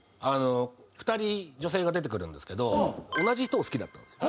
２人女性が出てくるんですけど同じ人を好きだったんですよ。